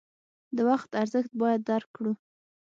د وخت ارزښت باید درک کړو.